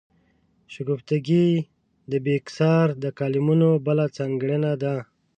شګفتګي د بېکسیار د کالمونو بله ځانګړنه ده.